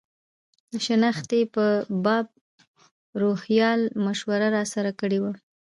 د شنختې په باب روهیال مشوره راسره کړې وه.